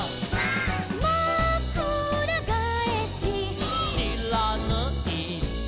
「まくらがえし」「」「しらぬい」「」